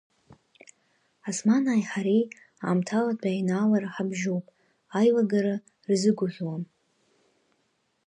Османааи ҳареи аамҭалатәи аинаалара ҳабжьоуп, аилагара рзыгәаӷьуам.